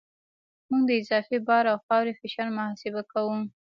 موږ د اضافي بار او خاورې فشار محاسبه کوو